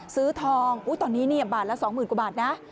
ซื้อทองตอนนี้เนี่ยบาทละ๒๐๐๐กว่าบาทนะ